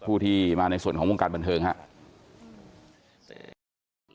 ผู้ที่มาในส่วนของวงการบันเทิงครับ